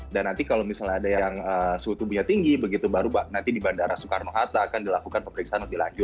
dan nanti kalau misalnya ada yang suhu tubuhnya tinggi begitu baru nanti di bandara soekarno hatta akan dilakukan pemeriksaan nanti lagi